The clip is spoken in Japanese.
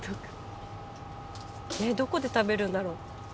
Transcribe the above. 「えっどこで食べるんだろう？」